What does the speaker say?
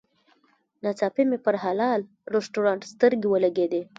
ناڅاپي مې پر حلال رسټورانټ سترګې ولګېدې.